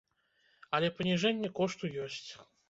Але паніжэнне кошту ёсць.